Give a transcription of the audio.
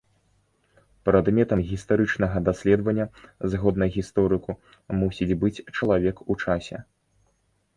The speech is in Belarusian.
Прадметам гістарычнага даследвання згодна гісторыку мусіць быць чалавек у часе.